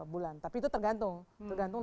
bulan tapi itu tergantung